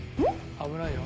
危ないよ。